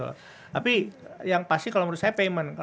tapi yang pasti kalau menurut saya payment